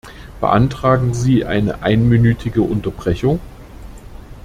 Beantragen Sie eine einminütige Unterbrechung?